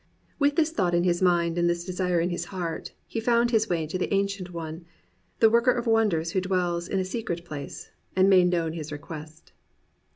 With this thought in his mind and this de sire in his heart, he found his way to the Ancient One, the Worker of Wonders who dwells in a secret place, and made known his request.